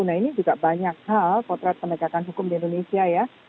nah ini juga banyak hal potret penegakan hukum di indonesia ya